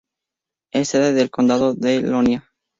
Es sede del condado de Ionia.